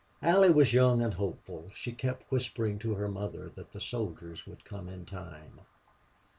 Allie was young and hopeful. She kept whispering to her mother that the soldiers would come in time.